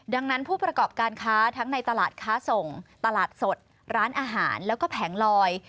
ดังนั้นผู้ประกอบการค้าทั้งในตลาดค้าส่งตลาดสดร้านอาหารแล้วก็แผงลอย